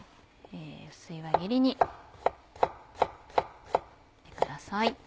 薄い輪切りに切ってください。